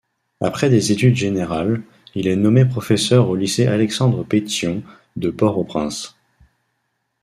Après des études générales, il est nommé professeur au lycée Alexandre Pétion de Port-au-Prince.